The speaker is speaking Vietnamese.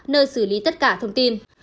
nơi xử lý tất cả thông tin